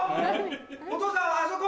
お父さんあそこ